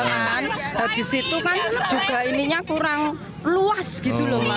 habis itu kan juga ininya kurang luas gitu loh mas